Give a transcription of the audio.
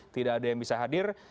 tidak ada yang bisa hadir